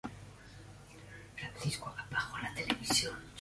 La policía designa Murat para que le dieran un comunicado.